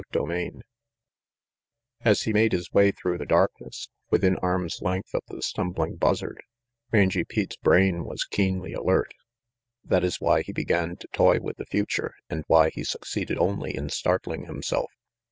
CHAPTER IV As he made his way through the darkness, within arm's length of the stumbling Buzzard, Rangy Pete's brain was keenly alert. That is why he began to toy with the future, and why he succeeded only in startling himself.